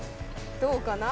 どうかな？